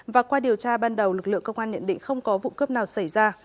và qua điều tra ban đầu lực lượng công an nhận định không có vụ cướp nào xảy ra